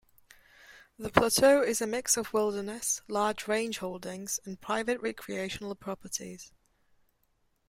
The plateau is a mix of wilderness, large ranch holdings, and private recreational properties.